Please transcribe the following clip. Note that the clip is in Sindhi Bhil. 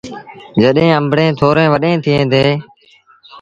جڏهيݩ آݩبڙيٚن ٿوريٚݩ وڏيݩ ٿئيٚݩ ديٚݩ۔